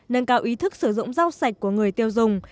nâng cao ý thức sử dụng rau sạch của người tiêu dùng